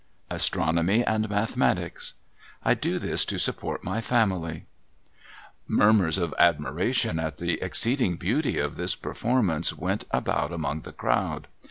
Astronomy and mathematics. I do this to support my family,' Murmurs of admiration at the exceeding beauty of this perform ance went about among the crowd.